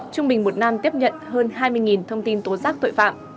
trung bình một năm tiếp nhận hơn hai mươi thông tin tố giác tội phạm